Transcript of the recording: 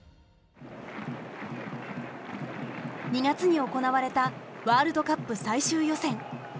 ２月に行われたワールドカップ最終予選。